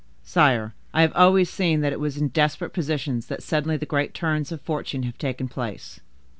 "Sire, I have always seen that it was in desperate positions that suddenly the great turns of fortune have taken place."